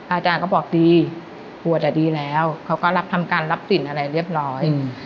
อาจารย์ก็บอกดีบวชดีแล้วเขาก็รับทำการรับสินอะไรเรียบร้อย